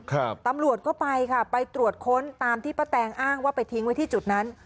ตำรวจก็ไปค่ะไปตรวจค้นตามที่ป้าแตงอ้างว่าไปทิ้งไว้ที่จุดนั้น